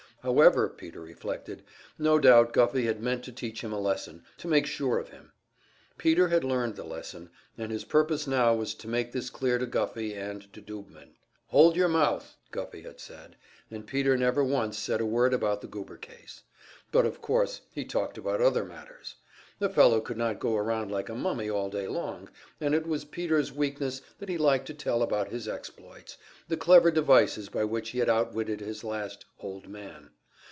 However, Peter reflected, no doubt Guffey had meant to teach him a lesson, to make sure of him. Peter had learned the lesson, and his purpose now was to make this clear to Guffey and to Doobman. "Hold your mouth," Guffey had said, and Peter never once said a word about the Goober case. But, of course, he talked about other matters. A fellow could not go around like a mummy all day long, and it was Peter's weakness that he liked to tell about his exploits, the clever devices by which he had outwitted his last "Old Man."